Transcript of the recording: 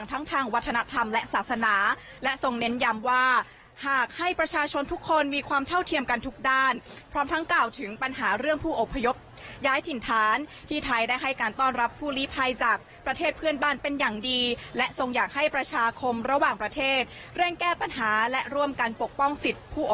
ทั้งทางวัฒนธรรมและศาสนาและทรงเน้นย้ำว่าหากให้ประชาชนทุกคนมีความเท่าเทียมกันทุกด้านพร้อมทั้งกล่าวถึงปัญหาเรื่องผู้อพยพย้ายถิ่นฐานที่ไทยได้ให้การต้อนรับผู้ลีภัยจากประเทศเพื่อนบ้านเป็นอย่างดีและทรงอยากให้ประชาคมระหว่างประเทศเร่งแก้ปัญหาและร่วมกันปกป้องสิทธิ